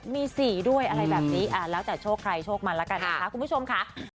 มี๔ด้วยอะไรแบบนี้แล้วแต่โชคใครโชคมันแล้วกันนะคะคุณผู้ชมค่ะ